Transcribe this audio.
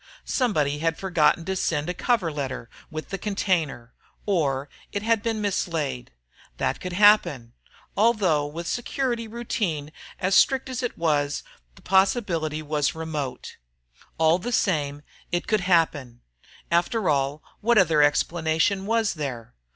So somebody had forgotten to send a covering message with the container, or else it had been mislaid that could happen, although with security routine as strict as it was, the possibility was remote. All the same, it could happen. After all, what other explanation was there?